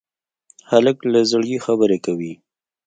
هلک له زړګي خبرې کوي.